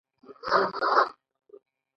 غوره ده چې مالي الیګارشي داسې تعریف کړو